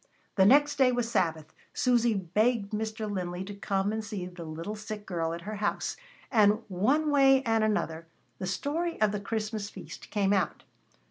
The next day was Sabbath. Susy begged Mr. Linley to come and see the little sick girl at her house. And one way and another, the story of the Christmas feast came out.